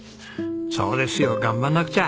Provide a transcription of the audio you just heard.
そうですよ頑張らなくちゃ！